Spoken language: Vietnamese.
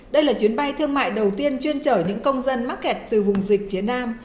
đây là chuyến bay thương mại đầu tiên chuyên chở những công dân mắc kẹt từ vùng dịch phía nam